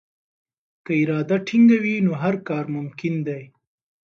که اراده ټینګه وي نو هر کار ممکن دی.